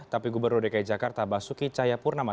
tapi gubernur dki jakarta basuki cayapurnama